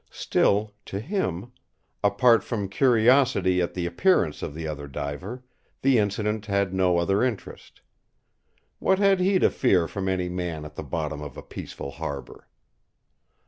Still, to him, apart from curiosity at the appearance of the other diver, the incident had no other interest. What had he to fear from any man at the bottom of a peaceful harbor?